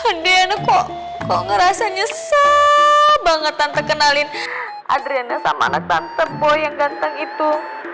pondiana kok kok ngerasa nyesel banget tante kenalin adriana sama anak tante boy yang ganteng itu